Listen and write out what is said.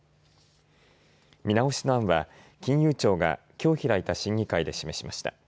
見直しの案は金融庁がきょう開いた審議会で示しました。